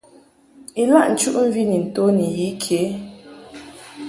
Ilaʼ nchuʼmvi ni nto ni yi ke.